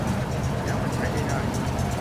แล้วมันใช้ไม่ได้